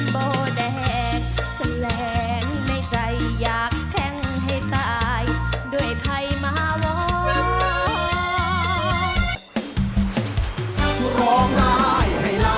โปรดติดตามตอนต่อไป